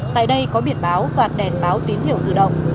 tại đây có biển báo và đèn báo tín hiệu tự động